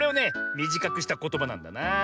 みじかくしたことばなんだなあ。